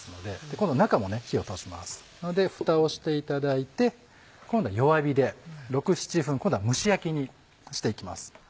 今度中も火を通しますのでふたをしていただいて今度は弱火で６７分今度は蒸し焼きにしていきます。